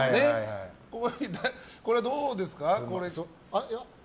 これはどうですか？